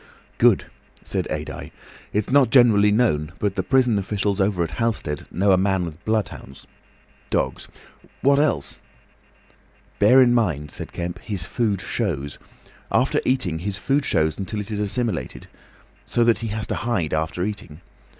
"Good," said Adye. "It's not generally known, but the prison officials over at Halstead know a man with bloodhounds. Dogs. What else?" "Bear in mind," said Kemp, "his food shows. After eating, his food shows until it is assimilated. So that he has to hide after eating.